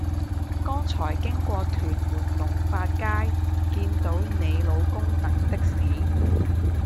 剛才經過屯門龍發街見到你老公等的士